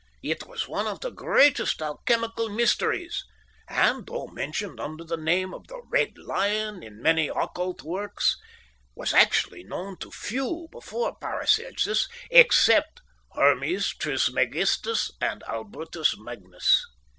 It was one of the greatest alchemical mysteries, and, though mentioned under the name of The Red Lion in many occult works, was actually known to few before Paracelsus, except Hermes Trismegistus and Albertus Magnus.